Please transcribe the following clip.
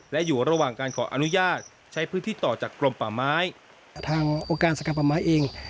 และอยู่ระหว่างการขออนุญาตใช้พื้นที่ต่อจากกรมป่าไม้แต่ทางองค์การสกัดป่าไม้เอง